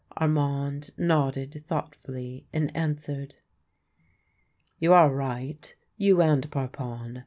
" Armand nodded thoughtfully, and answered, " You are right — you and Parpon.